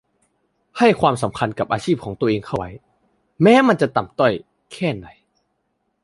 ให้ความสำคัญกับอาชีพของตัวเองเข้าไว้ แม้ว่ามันจะต่ำต้อยแค่ไหน